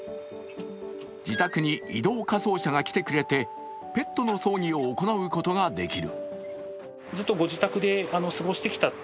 自宅に移動火葬車が来てくれてペットの葬儀を行うことができる。